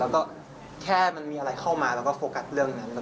แล้วก็แค่มันมีอะไรเข้ามาเราก็โฟกัสเรื่องนั้น